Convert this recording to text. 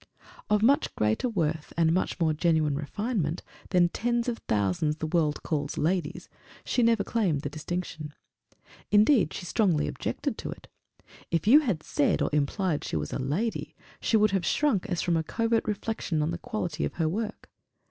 Of much greater worth and much more genuine refinement than tens of thousands the world calls ladies, she never claimed the distinction. Indeed she strongly objected to it. If you had said or implied she was a lady, she would have shrunk as from a covert reflection on the quality of her work.